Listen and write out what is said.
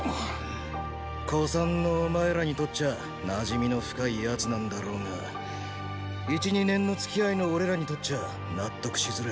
古参のお前らにとっちゃ馴染みの深い奴なんだろうが一二年のつきあいの俺らにとっちゃ納得しづれェー。